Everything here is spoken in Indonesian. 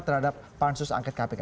terhadap pansus angkat kpk